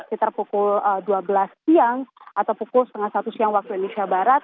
sekitar pukul dua belas siang atau pukul setengah satu siang waktu indonesia barat